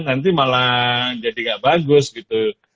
nanti malah jadi gak bagus gitu